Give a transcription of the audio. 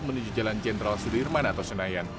menuju jalan jenderal sudirman atau senayan